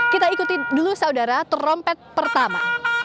kita ikuti dulu saudara trompet pertama